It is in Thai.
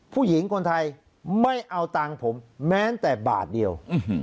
ผู้หญิงคนไทยไม่เอาตังค์ผมแม้แต่บาทเดียว